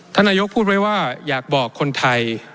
ท่านนายกพูดไว้ว่าอยากบอกคนไทย